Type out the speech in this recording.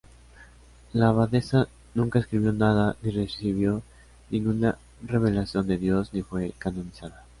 La abadesa nunca escribió nada, ni recibió ninguna revelación de Dios ni fue canonizada.